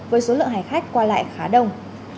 với số lượng hải khách qua lại khá đông